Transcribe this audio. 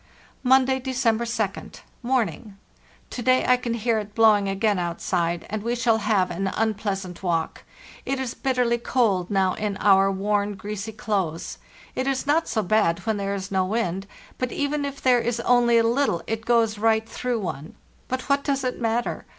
"Monday, December 2d. Morning. To day I can hear it blowing again outside, and we shall have an unpleasant walk. It is bitterly cold now in our worn, ereasy clothes. It is not so bad when there is no wind; but even if there is only a little it goes right through one. But what does it matter?